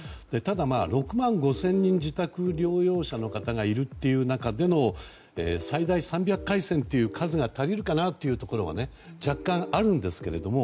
ただ、６万５０００人自宅療養者がいる中での最大３００回線という数が足りるかなというのが若干、あるんですが。